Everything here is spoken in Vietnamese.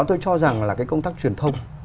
tôi cho rằng là cái công tác truyền thông